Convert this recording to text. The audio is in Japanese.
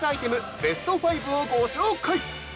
ベスト５をご紹介！